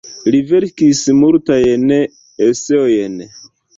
Li verkis multajn eseojn.